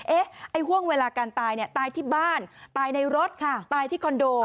ไอ้ห่วงเวลาการตายเนี่ยตายตายที่บ้านตายในรถตายที่คอนโด